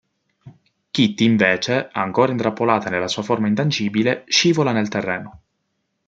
Kitty invece, ancora intrappolata nella sua forma intangibile, scivola nel terreno.